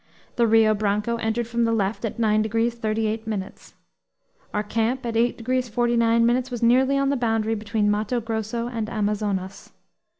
The Rio Branco entered from the left at 9 degrees 38 minutes. Our camp at 8 degrees 49 minutes was nearly on the boundary between Matto Grosso and Amazonas.